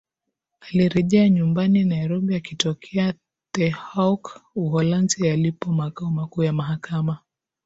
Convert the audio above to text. alirejea nyumbani nairobi akitokea the haque uholanzi yalipo makao makuu ya mahakama